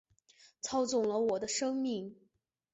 操纵了我的生命